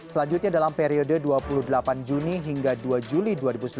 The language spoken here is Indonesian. selanjutnya dalam periode dua puluh delapan juni hingga dua juli dua ribu sembilan belas